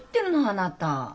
あなた。